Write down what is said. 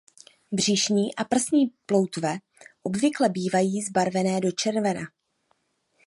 Břišní a prsní ploutve obvykle bývají zbarvené do červena.